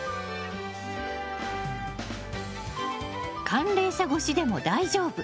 寒冷紗越しでも大丈夫。